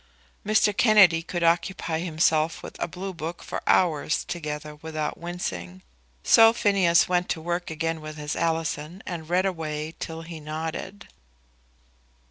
Mr. Kennedy could occupy himself with a blue book for hours together without wincing. So Phineas went to work again with his Alison, and read away till he nodded.